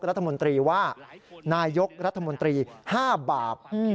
รัฐมนตรีว่านายกรัฐมนตรี๕บาป